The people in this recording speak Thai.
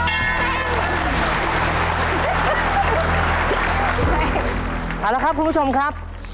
กล่อข้าวหลามใส่กระบอกภายในเวลา๓นาที